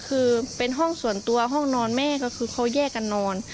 คือเป็นห้องส่วนตัวห้องนอนแม่ก็คือเขาแยกกันนอน